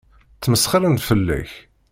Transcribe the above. Ttmesxiṛen fell-ak.